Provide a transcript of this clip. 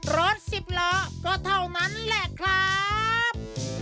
รถสิบล้อก็เท่านั้นแหละครับ